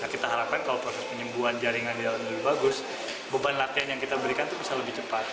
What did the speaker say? kita harapkan kalau proses penyembuhan jaringan di dalam lebih bagus beban latihan yang kita berikan itu bisa lebih cepat